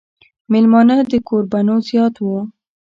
مېلمانۀ د کوربنو زيات وو ـ